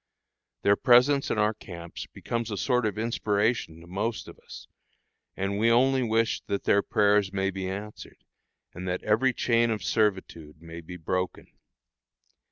Their presence in our camps becomes a sort of inspiration to most of us, and we only wish that their prayers may be answered, and that every chain of servitude may be broken.